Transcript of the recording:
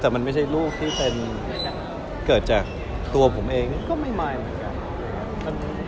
แต่มันไม่ใช่ลูกที่เป็นเกิดจากตัวผมเองก็ไม่มายเหมือนกัน